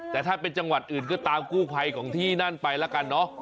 แต่ถ้าเป็นจังหวัดอื่นก็ตามกู้ภัยของที่นั่นไปแล้วกันเนอะ